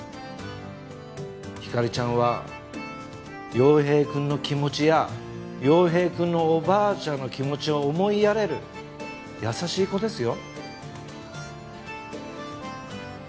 ひかりちゃんは陽平くんの気持ちや陽平くんのおばあちゃんの気持ちを思いやれる優しい子ですよ。